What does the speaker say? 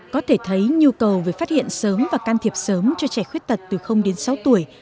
có thể thấy nhu cầu về phát hiện sớm và can thiệp sớm cho trẻ khuyết tật từ đến sáu tuổi